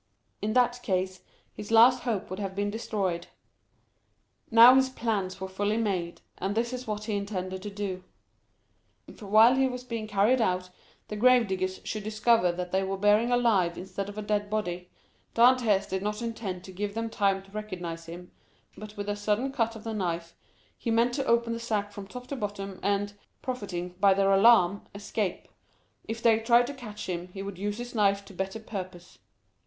In that case his last hope would have been destroyed. Now his plans were fully made, and this is what he intended to do. If while he was being carried out the grave diggers should discover that they were bearing a live instead of a dead body, Dantès did not intend to give them time to recognize him, but with a sudden cut of the knife, he meant to open the sack from top to bottom, and, profiting by their alarm, escape; if they tried to catch him, he would use his knife to better purpose.